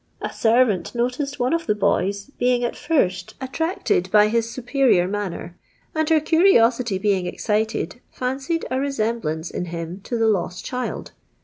A servant noticed one of the boys, being at first attracted by his superior manner, and her curiosity being excited fancied a resemblance in him to the lost child.